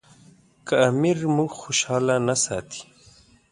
که امیر موږ خوشاله نه ساتي.